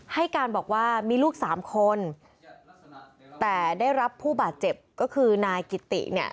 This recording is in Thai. ให้การบอกว่ามีลูกสามคนแต่ได้รับผู้บาดเจ็บก็คือนายกิติเนี่ย